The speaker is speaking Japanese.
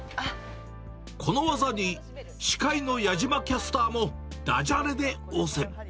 この技に視界の矢島キャスターもだじゃれで応戦。